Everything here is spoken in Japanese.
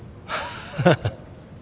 ハハハ。